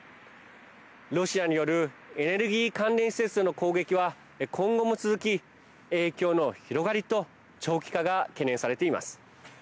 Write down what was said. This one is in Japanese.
ロシアによるエネルギー関連施設への攻撃は今後も続き、影響の広がりと長期化が懸念されています。